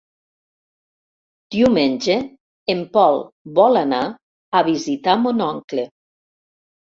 Diumenge en Pol vol anar a visitar mon oncle.